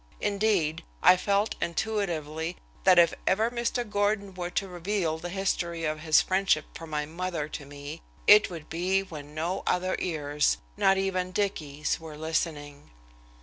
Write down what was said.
Indeed, I felt intuitively that if ever Mr. Gordon were to reveal the history of his friendship for my mother to me, it would be when no other ears, not even Dicky's, were listening.